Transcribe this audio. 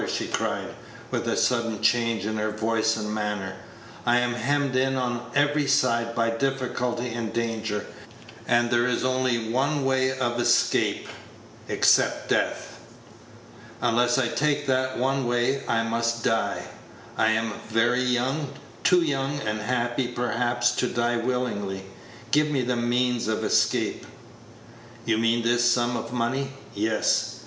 she cried, with a sudden change in her voice and manner, "I am hemmed in on every side by difficulty and danger, and there is only one way of escape except death. Unless I take that one way, I must die. I am very young too young and happy, perhaps, to die willingly. Give me the means of escape." "You mean this sum of money?" "Yes."